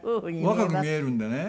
若く見えるんでね。